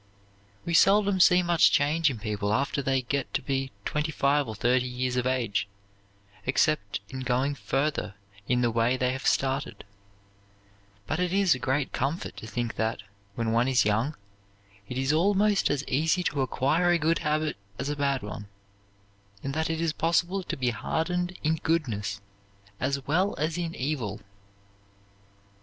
We seldom see much change in people after they get to be twenty five or thirty years of age, except in going further in the way they have started; but it is a great comfort to think that, when one is young, it is almost as easy to acquire a good habit as a bad one, and that it is possible to be hardened in goodness as well as in evil.